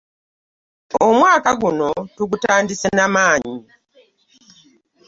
Omwaka guno tugutandise na maanyi.